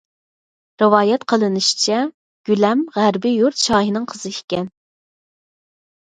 رىۋايەت قىلىنىشىچە، گۈلەم غەربىي يۇرت شاھىنىڭ قىزى ئىكەن.